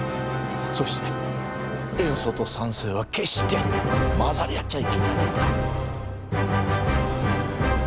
そしてエンソとサンセイは決して混ざり合っちゃいけないんだ。